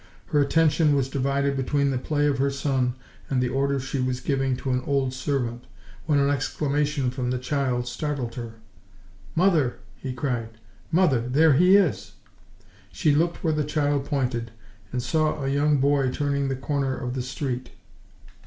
Her attention was divided between the play of her son and the orders she was giving to an old servant, when an exclamation from the child startled her. "Mother!" he cried, "mother, there he is!" She looked where the child pointed, and saw a young boy turning the corner of the street.